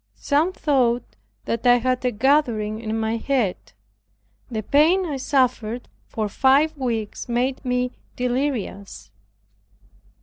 Some thought that I had a gathering in my head. The pain I suffered for five weeks made me delirious.